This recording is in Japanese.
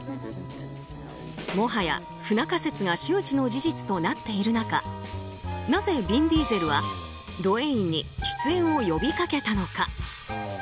もはや不仲説が周知の事実となっている中なぜヴィン・ディーゼルはドウェインに出演を呼びかけたのか。